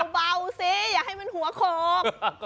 เบาสิอย่าให้มันหัวโขก